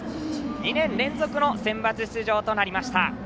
２年連続のセンバツ出場となりました。